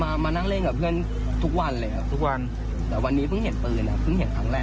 มามานั่งเล่นกับเพื่อนทุกวันเลยครับทุกวันแต่วันนี้เพิ่งเห็นปืนอ่ะเพิ่งเห็นครั้งแรก